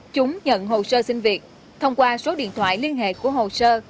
chúng nhận hồ sơ xin việc thông qua số điện thoại liên hệ của hồ sơ